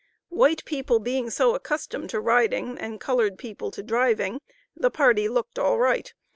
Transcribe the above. White people being so accustomed to riding, and colored people to driving, the party looked all right.